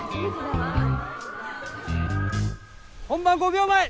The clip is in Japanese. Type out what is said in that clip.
本番５秒前！